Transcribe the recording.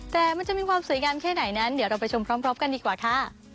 แต่มันจะมีความสวยงามแค่ไหนนั้นเดี๋ยวเราไปชมพร้อมกันดีกว่าค่ะ